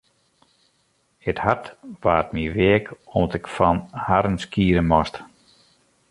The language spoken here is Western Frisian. It hart waard my weak om't ik fan harren skiede moast.